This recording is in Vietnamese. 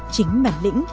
chính bản lĩnh